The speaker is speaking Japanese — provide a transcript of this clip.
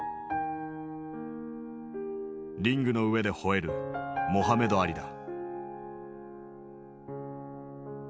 リングの上でほえるモハメド・アリだ。